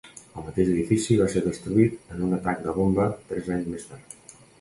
El mateix edifici va ser destruït en un atac de bomba tres anys més tard.